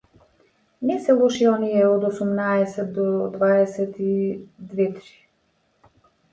Не се лоши оние од осумнаесет до дваесет и две-три.